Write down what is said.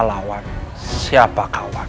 karena kita tidak tahu siapa lawan